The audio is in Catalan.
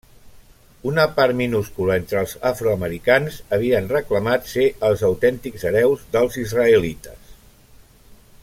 Una part minúscula entre els afroamericans havien reclamat ser els autèntics hereus dels israelites.